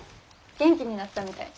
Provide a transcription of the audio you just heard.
元気になったみたい。